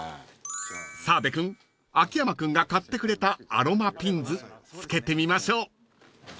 ［澤部君秋山君が買ってくれたアロマピンズ着けてみましょう］